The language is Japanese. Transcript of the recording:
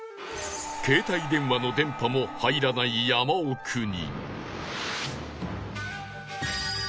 携帯電話の電波も入らない山奥に